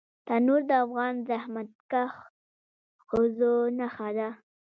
تنور د افغان زحمتکښ ښځو نښه ده